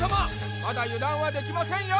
まだ油断はできませんよ！